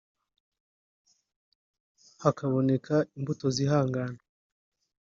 hakaboneka imbuto zihangana